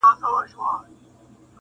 د زړۀ سکون د ښکلو